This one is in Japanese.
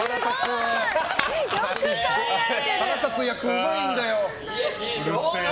腹立つ役、うまいんだよ。